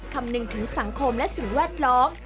คำนึงถึงสังคมและสิ่งแวดล้อม